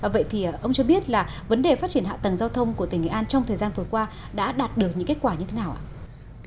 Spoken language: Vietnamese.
vậy thì ông cho biết là vấn đề phát triển hạ tầng giao thông của tỉnh nghệ an trong thời gian vừa qua đã đạt được những kết quả như thế nào ạ